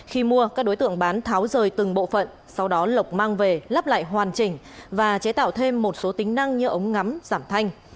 khi mua các đối tượng bán tháo rời từng bộ phận sau đó lộc mang về lắp lại hoàn chỉnh và chế tạo thêm một số tính năng như ống ngắm giảm thanh